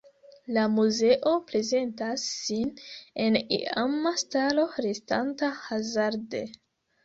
La muzeo prezentas sin en iama stalo restanta hazarde.